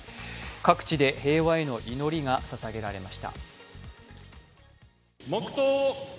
各地で平和への祈りがささげられました。